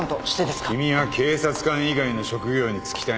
君は警察官以外の職業に就きたいのか？